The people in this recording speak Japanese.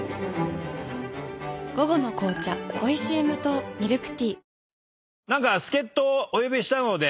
午後の紅茶おいしい無糖ミルクティーホントですか